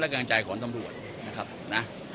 แบบนี้ก็หมายว่า